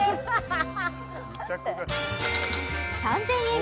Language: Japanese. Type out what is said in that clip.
３０００円